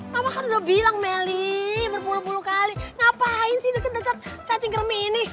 bapak kan udah bilang melly berpuluh puluh kali ngapain sih deket deket cacing kerming ini